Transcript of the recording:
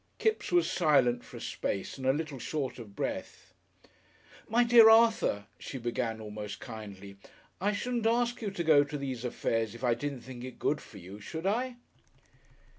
Kipps was silent for a space and a little short of breath. "My dear Arthur," she began, almost kindly, "I shouldn't ask you to go to these affairs if I didn't think it good for you, should I?"